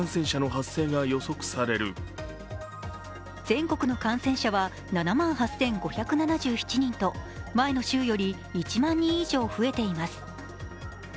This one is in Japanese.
全国の感染者は７万８５７７人と前の週より１万人以上増えています